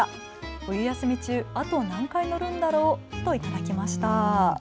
冬休み中、あと何回乗るんだろうと頂きました。